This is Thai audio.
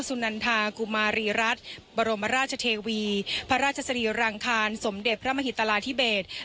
สุนันทากุมารีรัฐบรมราชเทวีพระราชสรีรังคารสมเด็จพระมหิตราธิเบศ